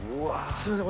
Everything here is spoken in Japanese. すいません。